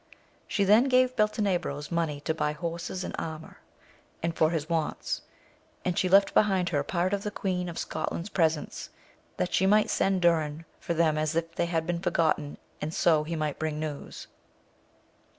She then gave Beltenebros money to buy horses and armour, and for his wants ; and she left behind her part of the Queen of Scotland's presents, that she might send Durin, for them as if they had been forgotten, and so he might bring news.